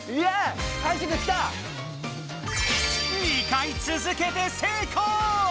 ２回続けて成功！